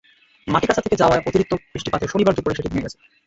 মাটি কাঁচা থেকে যাওয়ায় অতিরিক্ত বৃষ্টিপাতে শনিবার দুপুরে সেটি ভেঙে গেছে।